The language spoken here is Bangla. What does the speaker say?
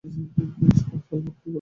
সলোমন, কী করছো তুমি?